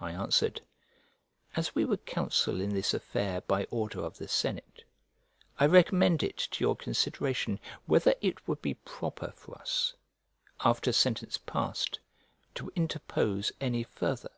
I answered, "As we were counsel in this affair by order of the senate, I recommend it to your consideration whether it would be proper for us, after sentence passed, to interpose any farther."